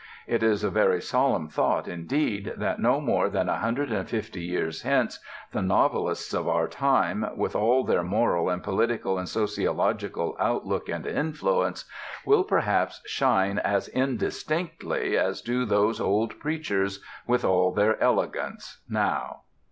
It is a very solemn thought indeed that no more than a hundred and fifty years hence the novelists of our time, with all their moral and political and sociological outlook and influence, will perhaps shine as indistinctly as do those old preachers, with all their elegance, now.